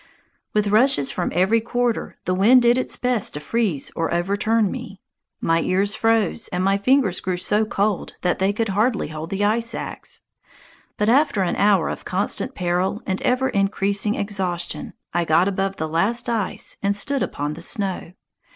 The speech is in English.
With rushes from every quarter, the wind did its best to freeze or overturn me. My ears froze, and my fingers grew so cold that they could hardly hold the ice axe. But after an hour of constant peril and ever increasing exhaustion, I got above the last ice and stood upon the snow.